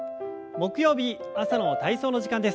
木曜日朝の体操の時間です。